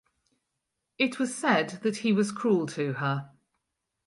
It was said that he was cruel to her.